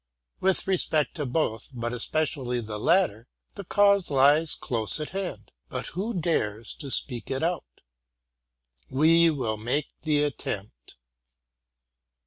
With respect to both, but especially the latter, the cause lies close at hand; but who dares to speak it out? We will make the attempt.